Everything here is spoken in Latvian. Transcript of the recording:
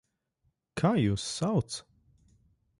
Kā jūs sauc?